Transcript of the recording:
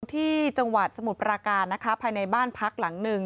อยู่ที่จังหวัดสมุดประกาศภายในบ้านพักหลังหนึ่ง